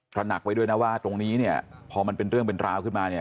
พระหนักไว้ด้วยนะว่าตรงนี้พอมันเป็นเรื่องเป็นราวขึ้นมา